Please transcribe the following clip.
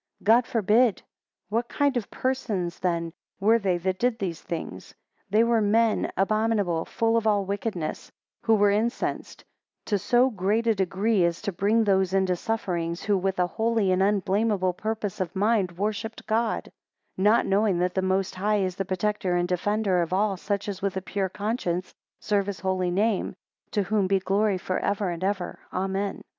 God forbid. 10 What kind of persons then were they that did these things? They were men abominable, full of all wickedness; who were incensed; to so great a degree, as to bring those into sufferings, who with a holy and unblameable purpose of mind worshipped God: not knowing that the Most High is the protector and defender of all such as with a pure conscience serve his holy name: to whom be glory for ever and ever, Amen.